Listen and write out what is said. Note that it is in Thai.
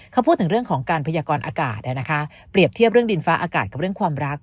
เขาพูดถึงเรื่องของการพยากรอากาศเปรียบเทียบเรื่องดินฟ้าอากาศกับเรื่องความรัก